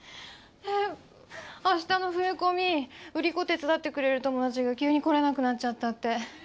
あしたの冬コミ売り子手伝ってくれる友達が急にこれなくなっちゃったって。